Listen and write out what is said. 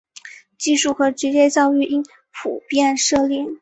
技术和职业教育应普遍设立。